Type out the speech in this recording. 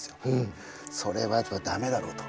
それはやっぱ駄目だろうと。